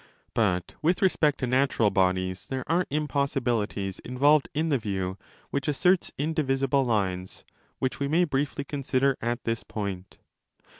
But with respect to natural bodies there are impossibilities involved in the view which asserts indivisible lines, which we may briefly consider at this point.